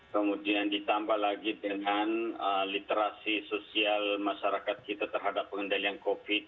kemudian ditambah lagi dengan literasi sosial masyarakat kita terhadap pengendalian covid